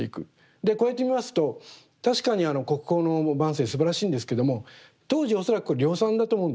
でこうやってみますと確かに国宝の「万声」すばらしいんですけども当時恐らくこれ量産だと思うんですね。